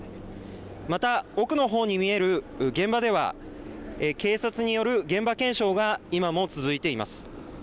また奥のほうに見える現場では警察による現場検証が今も続いています。